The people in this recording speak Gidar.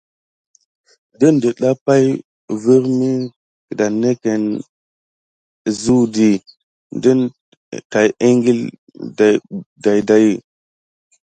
Kine netda pay virmi gudanikine akawu di kine tate ékile daidaba.